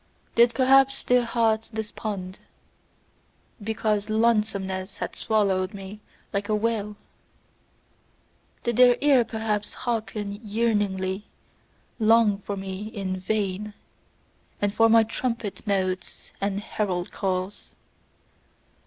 Did perhaps their hearts despond, because lonesomeness had swallowed me like a whale? Did their ear perhaps hearken yearningly long for me IN VAIN, and for my trumpet notes and herald calls?